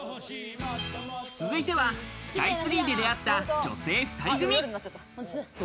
続いてはスカイツリーで出会った女性２人組。